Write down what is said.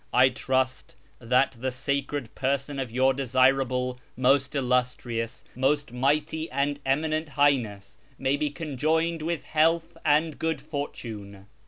I trust that the sacred person of Your desirable, most illustrious, most mighty, and eminent Highness may be conjoined with health and good fortune.